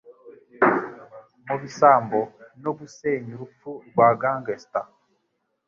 Mubisambo no gusenya urupfu rwa gangster,